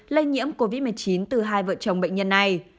lây nhiễm covid một mươi chín từ hai vợ chồng bệnh nhân này